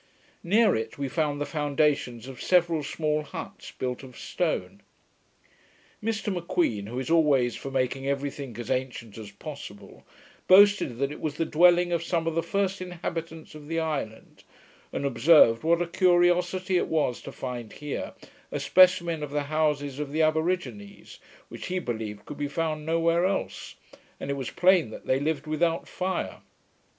Near it, we found the foundations of several small huts, built of stone. Mr M'Queen, who is always for making every thing as ancient as possible, boasted that it was the dwelling of some of the first inhabitants of the island, and observed, what a curiosity it was to find here a specimen of the houses of the Aborigines, which he believed could be found no where else; and it was plain that they lived without fire.